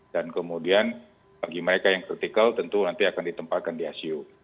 dan kemudian bagi mereka yang critical tentu nanti akan ditempahkan di asiu